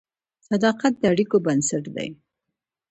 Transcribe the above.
صداقت د اړیکو بنسټ دی.